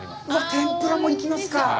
天ぷらもいきますか。